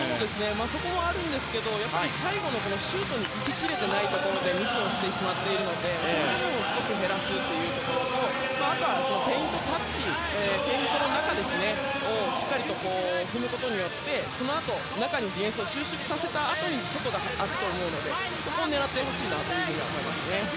そこもあるんですが最後のシュートにいききれてないところでミスをしてしまっているのでそれを少し減らすこととあとはペイントタッチペイントの中をしっかりと踏むことによってそのあと中にディフェンスを収縮させたあと外が空くと思うのでそこを狙ってほしいと思います。